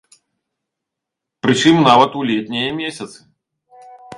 Прычым нават у летнія месяцы.